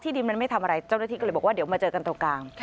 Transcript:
ดินมันไม่ทำอะไรเจ้าหน้าที่ก็เลยบอกว่าเดี๋ยวมาเจอกันตรงกลาง